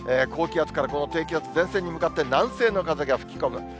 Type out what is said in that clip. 高気圧からこの低気圧、前線に向かって南西の風が吹き込む。